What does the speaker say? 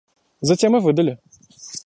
Затем и выдали.